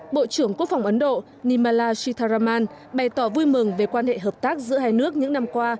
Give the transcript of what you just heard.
bộ trưởng quốc phòng ấn độ nimala sitaraman bày tỏ vui mừng về quan hệ hợp tác giữa hai nước những năm qua